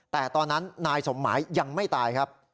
แต่ตอนนั้นนายสมหมายยังไม่ตายครับ